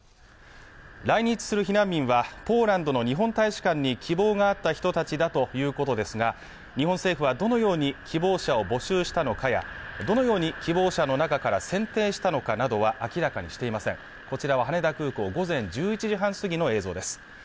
来日する避難民はポーランドの日本大使館に希望があった人たちだということですが日本政府はどのように希望者を募集したのかやどのように希望者の中から選定したのかなどは明らかにしていませんこちらは羽田空港午前１１時半過ぎの映像です